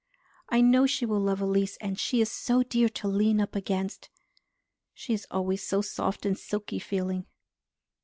I know she will love Elise, and she is so dear to lean up against. She is always so soft and silky feeling."